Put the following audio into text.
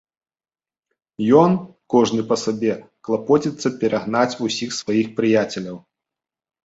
Ён, кожны па сабе, клапоціцца перагнаць усіх сваіх прыяцеляў.